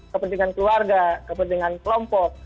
kepentingan keluarga kepentingan kelompok